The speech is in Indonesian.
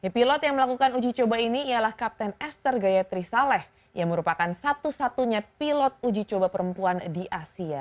pilot yang melakukan uji coba ini ialah kapten esther gayatri saleh yang merupakan satu satunya pilot uji coba perempuan di asia